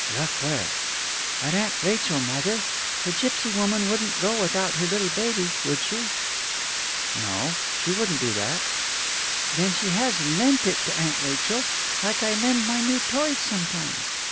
"Look where?" "At Aunt Rachel, mother ... The gipsy woman wouldn't go without her little baby, would she?" "No, she wouldn't do that." "Then has she lent it to Aunt Rachel, like I lend my new toys sometimes?"